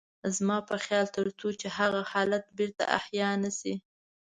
زما په خيال تر څو چې هغه حالت بېرته احيا نه شي.